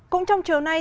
cũng trong chiều nay